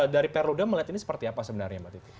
dari pak arief udam melihat ini seperti apa sebenarnya mbak citi